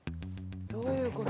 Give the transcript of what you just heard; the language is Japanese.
どういうこと？